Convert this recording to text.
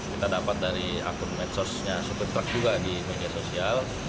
kita dapat dari akun medsosnya supitra juga di media sosial